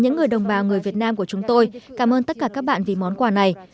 những người đồng bào người việt nam của chúng tôi cảm ơn tất cả các bạn vì món quà này